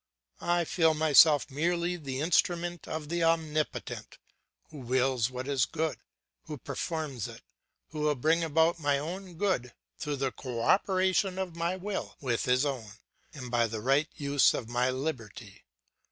I feel myself merely the instrument of the Omnipotent, who wills what is good, who performs it, who will bring about my own good through the co operation of my will with his own, and by the right use of my liberty.